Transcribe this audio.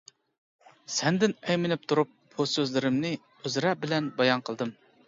سەندىن ئەيمىنىپ تۇرۇپ، بۇ سۆزلىرىمنى ئۆزرە بىلەن بايان قىلدىم.